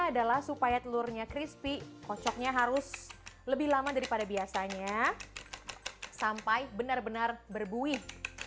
adalah supaya telurnya crispy kocoknya harus lebih lama daripada biasanya sampai benar benar berbuih